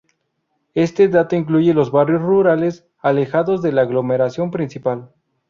Este dato incluye los barrios rurales alejados de la aglomeración principal.